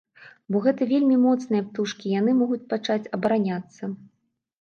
Бо гэта вельмі моцныя птушкі, і яны могуць пачаць абараняцца.